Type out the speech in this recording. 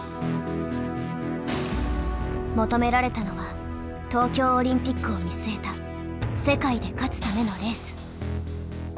求められたのは東京オリンピックを見据えた世界で勝つためのレース。